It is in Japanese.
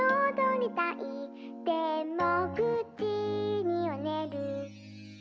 「でも９じにはねる」